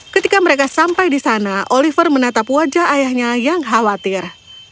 ketika mereka sampai di sana oliver menatap wajah ayahnya yang khawatir